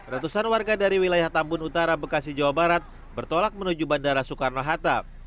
ratusan warga dari wilayah tambun utara bekasi jawa barat bertolak menuju bandara soekarno hatta